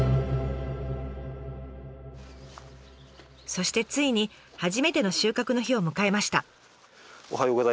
そしてついに初めての収穫の日を迎えました。